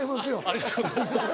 ありがとうございます。